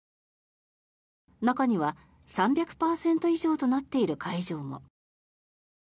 中には３００％以上となっている会場も。